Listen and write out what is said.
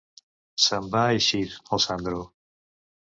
Se'n va eixir, el Sandro.